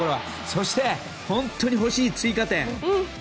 そして、本当に欲しい追加点。